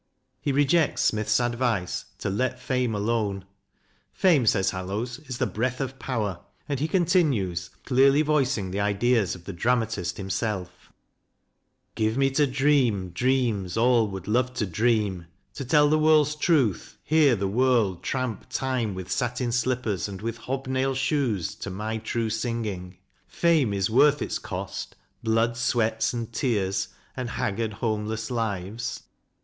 He rejects Smith's advice to " let fame alone"; Fame, says Hallowes, is the "breath of power," and he continues, clearly voicing the ideas of the dramatist himself: Give me to dream dreams all would love to dream ; To tell the world's truth ; hear the world tramp time With satin slippers and with hob nailed shoes To my true singing : fame is worth its cost, Blood sweats and tears, and haggard, homeless lives.